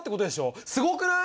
すごくない？